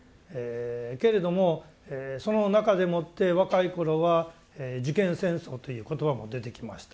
けれどもその中でもって若い頃は「受験戦争」という言葉も出てきました。